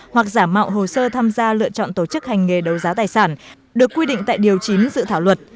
hoặc giả mạo hồ sơ tham gia lựa chọn tổ chức hành nghề đấu giá tài sản được quy định tại điều chín dự thảo luật